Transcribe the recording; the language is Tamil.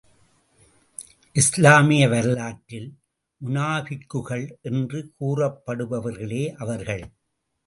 இஸ்லாமிய வரலாற்றில், முனாபிக்குள் என்று கூறப்படுபவர்களே அவர்கள்.